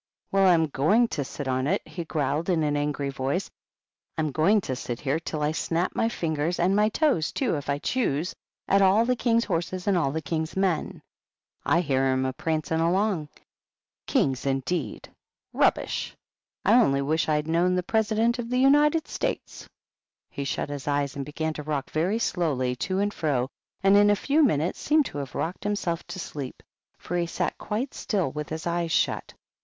" Well, I'm going to sit on it," he growled, in an angry voice. "I'm going to sit here till I snap my fingers, and my toes, too, if I choose, at all the King's horses and all the King's men. I hear 'em a prancing along I Kings, indeed ! Hubbish ! I only wish I'd known the President of the United States!" He shut his eyes and began to rock very slowly to and fro, and in a few minutes seemed to have rocked himself to sleep, for he sat quite still with his eyes shut.